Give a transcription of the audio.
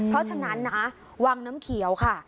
เพราะฉะนั้นนะวังน้ำเขียวค่ะ